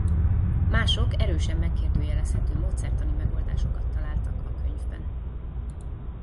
Mások erősen megkérdőjelezhető módszertani megoldásokat találtak a könyvben.